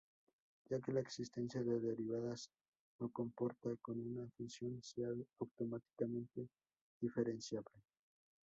Ya que la existencia de derivadas no comporta que una función sea automáticamente diferenciable.